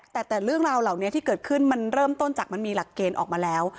แต่เรื่องราวเหล่านี้ที่เกิดขึ้นมันเริ่มต้นจากมันมีหลักเกณฑ์ออกมาแล้ว